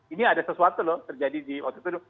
ini ada sesuatu loh terjadi di waktu itu